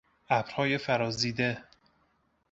ابرهای فرازیده